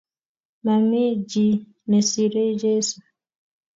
Mami chi ne siirei J esu